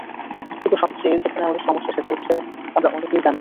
কিন্তু সবচেয়ে যেখানে আমাদের সমস্যা, সেটা হচ্ছে আমরা অনেকেই জানি না।